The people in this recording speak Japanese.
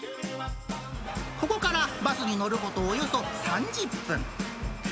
ここからバスに乗ることおよそ３０分。